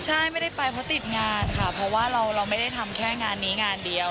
ใช่ไม่ได้ไปเพราะติดงานค่ะเพราะว่าเราไม่ได้ทำแค่งานนี้งานเดียว